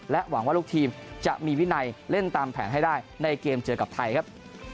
หวังว่าลูกทีมจะมีวินัยเล่นตามแผนให้ได้ในเกมเจอกับไทยครับ